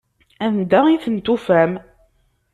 Anda i tent-tufam?